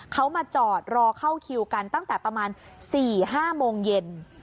เขามาจอดรอเข้าคิวกันตั้งแต่ประมาณ๔๕โมงเย็น